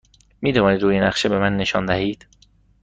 می توانید روی نقشه به من نشان دهید؟